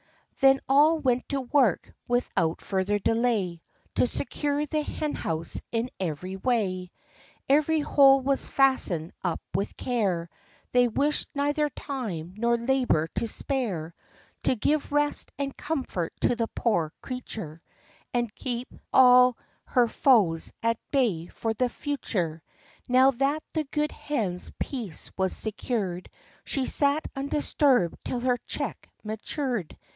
Then all went to work, without further delay, To secure the hen house in every way Every hole was fastened up with care ; They wished neither time nor labor to spare, To give rest and comfort to the poor creature, And keep all her foes at bay for the future. Now that the good hen's peace was secured, She sat undisturbed till her chick matured.